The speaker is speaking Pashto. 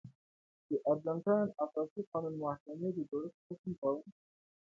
د ارجنټاین اساسي قانون محکمې د جوړښت حکم کاوه.